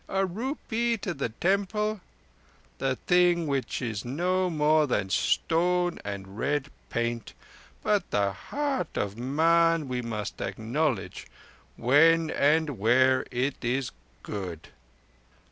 A rupee to the temple? The thing within is no more than stone and red paint, but the heart of man we must acknowledge when and where it is good."